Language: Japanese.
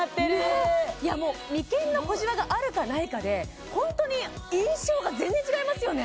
ねっいやもう眉間の小じわがあるかないかでホントに印象が全然違いますよね